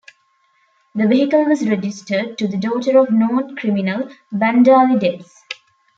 The vehicle was registered to the daughter of known criminal, Bandali Debs.